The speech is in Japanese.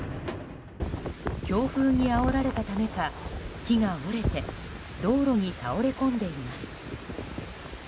強風にあおられたためか木が折れて道路に倒れ込んでいます。